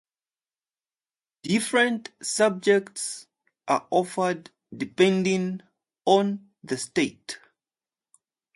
Different subjects are offered depending on the state.